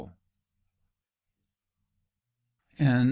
THE END.